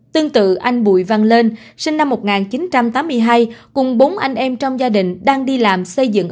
tương tự anh bùi văn lên sinh năm một nghìn chín trăm tám mươi hai cùng bốn anh em trong gia đình đang đi làm xây dựng